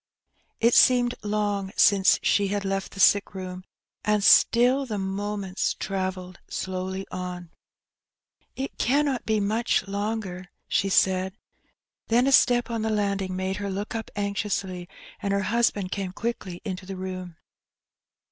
It seemed long since shOt had left the sick room, and still the moments travelled slowly on. "It cannot be much longer,'^ she saidj then a step on the landing made her look up anxiously, and her husband came quickly into the room.